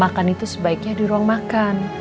makan itu sebaiknya di ruang makan